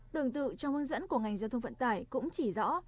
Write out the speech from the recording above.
tương tự trong hướng dẫn của ngành giao thông vận tải cũng chỉ rõ